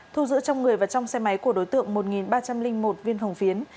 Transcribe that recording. thu giữ trong người và trong xe máy của đối tượng một ba trăm linh một viên hồng phiến